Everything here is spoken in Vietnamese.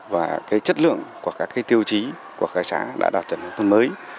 và cái chất lượng của các cái tiêu chí của cái xã đã đạt thành nông thôn mới